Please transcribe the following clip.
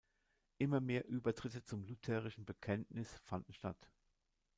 Immer mehr Übertritte zum lutherischen Bekenntnis fanden statt.